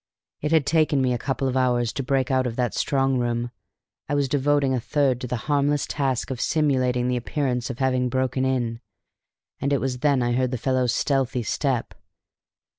It had taken me a couple of hours to break out of that strong room; I was devoting a third to the harmless task of simulating the appearance of having broken in; and it was then I heard the fellow's stealthy step.